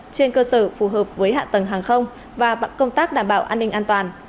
trên cơ sở phù hợp với hạ tầng hàng không và bằng công tác đảm bảo an ninh an toàn